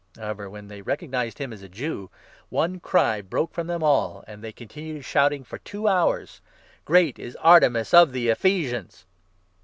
How 34 ever, when they recognised him as a Jew, one cry broke from them all, and they continued shouting for two hours —" Great is Artemis of the Ephesians